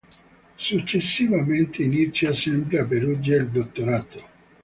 Successivamente inizia, sempre a Perugia, il dottorato.